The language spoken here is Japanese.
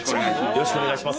よろしくお願いします。